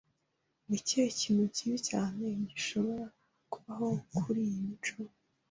Ni ikihe kintu kibi cyane gishobora kubaho kuriyi mico?